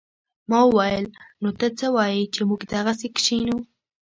ما وويل نو ته څه وايې چې موږ دغسې کښينو.